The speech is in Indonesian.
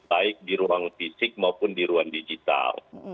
baik di ruang fisik maupun di ruang digital